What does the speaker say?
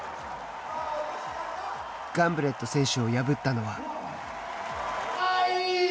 ガンブレット選手を破ったのは。